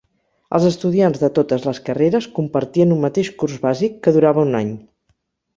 Els estudiants de totes les carreres compartien un mateix curs bàsic, que durava un any.